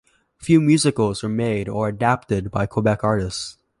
Few musicals were made or adapted by Quebec artists.